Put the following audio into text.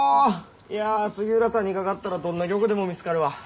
いや杉浦さんにかかったらどんな曲でも見つかるわ。